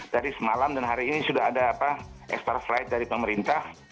dari semalam dan hari ini sudah ada extra flight dari pemerintah